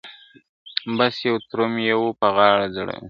بس یو تروم یې وو په غاړه ځړولی ..